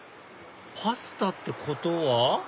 パスタってことは？